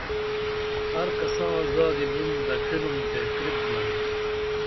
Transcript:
ہر کساں زادی بُن دڇھنُم تے کرپ درو